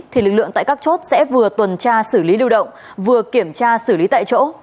thì lực lượng tại các chốt sẽ vừa tuần tra xử lý lưu động vừa kiểm tra xử lý tại chỗ